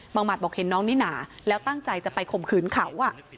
หมัดบอกเห็นน้องนิน่าแล้วตั้งใจจะไปข่มขืนเขา